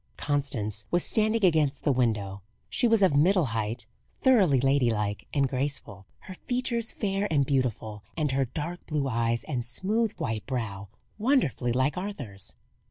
Constance was standing against the window. She was of middle height, thoroughly ladylike and graceful; her features fair and beautiful, and her dark blue eyes and smooth white brow wonderfully like Arthur's.